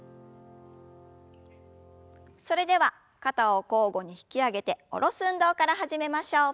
それでは肩を交互に引き上げて下ろす運動から始めましょう。